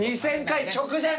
２０００回直前。